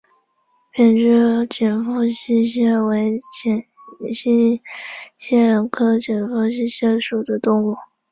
扁肢紧腹溪蟹为溪蟹科紧腹溪蟹属的动物。